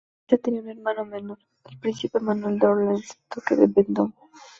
Luisa tenía un hermano menor, el príncipe Manuel de Orleans, duque de Vendôme.